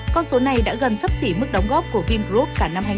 con số này đã gần sắp xỉ mức đóng góp của vingroup